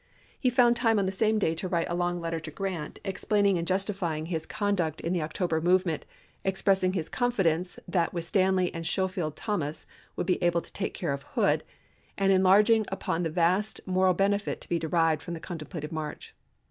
He found time on the same day to write a long letter to Grant explaining and justifying his con duct in the October movement, expressing his con fidence that with Stanley and Schofield Thomas would be able to take care of Hood, and enlarging upon the vast moral benefit to be derived from the contemplated march.